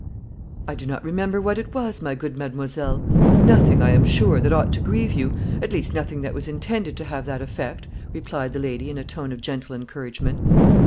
"I do not remember what it was, my good mademoiselle nothing, I am sure, that ought to grieve you at least nothing that was intended to have that effect," replied the lady, in a tone of gentle encouragement.